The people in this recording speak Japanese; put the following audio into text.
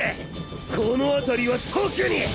この辺りは特に！